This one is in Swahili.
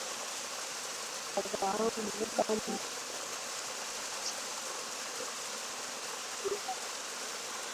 Abrahamu kama kielelezo cha imani na rafiki wa Mungu